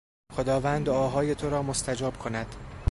خداوند دعاهای تو را مستجاب کند.